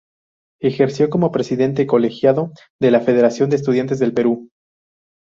Ejerció como presidente colegiado de la Federación de Estudiantes del Perú.